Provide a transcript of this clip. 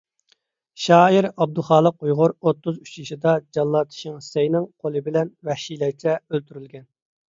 شائىر ئابدۇخالىق ئۇيغۇر ئوتتۇز ئۈچ يېشىدا جاللات شېڭ شىسەينىڭ قولى بىلەن ۋەھشىيلەرچە ئۆلتۈرۈلگەن.